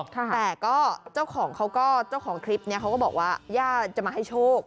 แต่ก็เจ้าของคลิปนี้เขาก็บอกว่าย่าจะมาให้โชค